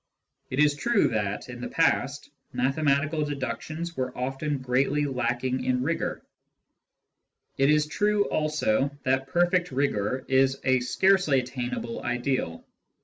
It is true that, in the past, mathematical deductions were often greatly lacking in rigour ; it is true also that perfect rigour is a scarcely attainable ideal.